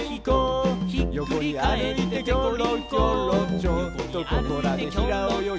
「ちょっとここらでひらおよぎ」